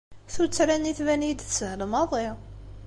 Tuttra-nni tban-iyi-d teshel maḍi.